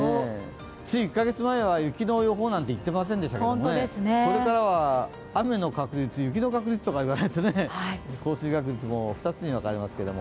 つい１か月前は、雪の予報なんていってませんでしたけどこれからは雨の確率、雪の確率とか言わないとね、降水確率も２つに分かれますけれども。